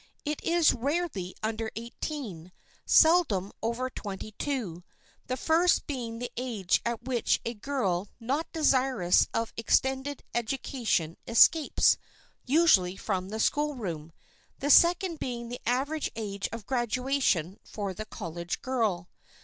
It is rarely under eighteen, seldom over twenty two, the first being the age at which a girl not desirous of extended education escapes, usually, from the schoolroom, the second being the average age of graduation for the college girl.